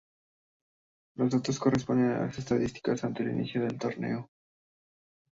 Los datos corresponden a las estadísticas antes del inicio del torneo.